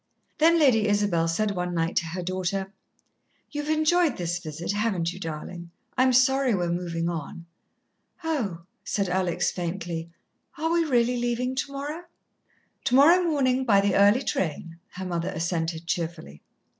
Then Lady Isabel said one night to her daughter: "You've enjoyed this visit, haven't you, darlin'? I'm sorry we're movin' on." "Oh," said Alex faintly, "are we really leaving tomorrow?" "Tomorrow morning, by the early train," her mother assented cheerfully.